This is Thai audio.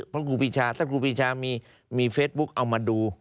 เพราะครูปีชาถ้าครูปีชามีเฟซบุ๊กเอามาดู